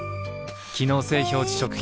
機能性表示食品